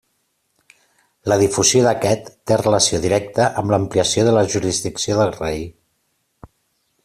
La difusió d'aquest té relació directa amb l'ampliació de la jurisdicció del rei.